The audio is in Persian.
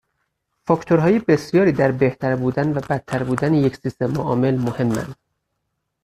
فاکتورهای بسیاری در بهتر بودن و بدتر بودن یک سیستم عامل مهمند.